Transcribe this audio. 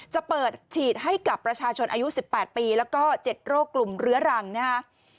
จะเปิดฉีดให้กับประชาชนอายุ๑๘ปีแล้วก็๗โรคกลุ่มเรื้อรังนะครับ